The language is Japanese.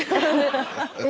「え？」